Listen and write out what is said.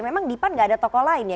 memang di pan gak ada tokoh lain ya